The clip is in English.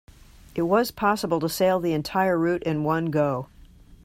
It was possible to sail the entire route in one go.